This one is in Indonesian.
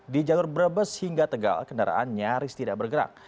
di jalur brebes hingga tegal kendaraan nyaris tidak bergerak